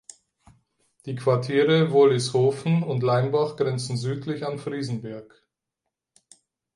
Die Quartiere Wollishofen und Leimbach grenzen südlich an Friesenberg.